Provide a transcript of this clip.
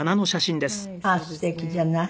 あっすてきじゃない。